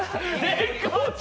絶好調！